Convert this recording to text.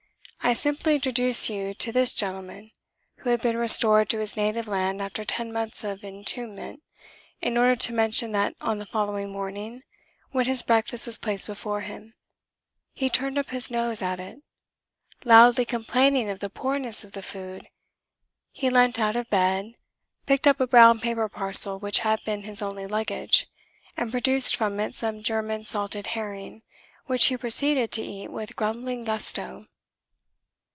I simply introduce you to this gentleman, who had been restored to his native land after ten months of entombment, in order to mention that on the following morning, when his breakfast was placed before him, he turned up his nose at it. Loudly complaining of the poorness of the food, he leant out of bed, picked up a brown paper parcel which had been his only luggage, and produced from it some German salted herring, which he proceeded to eat with grumbling gusto.